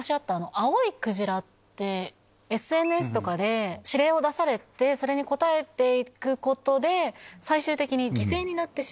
ＳＮＳとかで指令を出されてそれに答えて行くことで最終的に犠牲になってしまった。